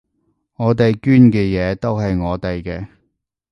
我哋捐嘅嘢都係我哋嘅